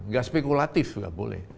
nggak spekulatif juga boleh